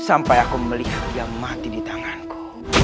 sampai aku melihat yang mati di tanganku